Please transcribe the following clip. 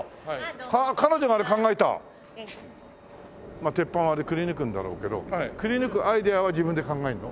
まあ鉄板はあれくりぬくんだろうけどくりぬくアイデアは自分で考えるの？